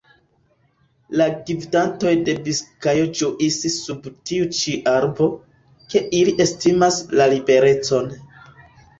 La gvidantoj de Biskajo ĵuris sub tiu ĉi arbo, ke ili estimas la liberecon.